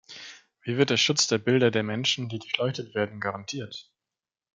Wie wird der Schutz der Bilder der Menschen, die durchleuchtet werden, garantiert?